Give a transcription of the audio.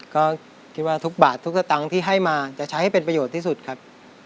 ก็คิดว่าทุกบาททุกสตังค์ที่ให้มาจะใช้ให้เป็นประโยชน์ที่สุดครับ